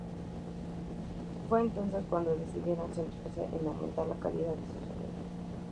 Fue entonces cuando decidieron centrarse en aumentar la calidad de su sonido.